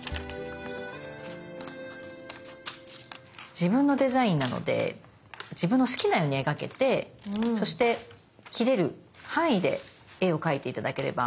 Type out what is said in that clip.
自分のデザインなので自分の好きなように描けてそして切れる範囲で絵を描いて頂ければ。